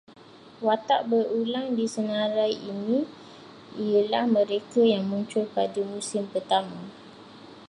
Watak berulang di senarai ini ialah mereka yang muncul pada musim pertama